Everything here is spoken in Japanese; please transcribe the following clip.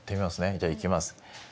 じゃあいきます。